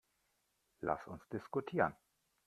Lass uns diskutieren.